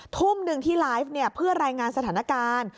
ทุ่มหนึ่งที่ไลฟ์เพื่อรายงานสถานการณ์